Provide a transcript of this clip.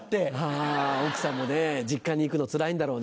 あ奥さんもね実家に行くのつらいんだろうね。